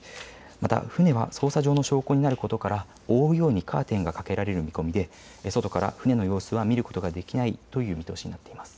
また船は捜査上の証拠になることから、覆うようにカーテンがかけられる見込みで外から船の様子は見ることができないという見通しになっています。